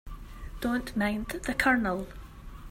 Don't mind the Colonel.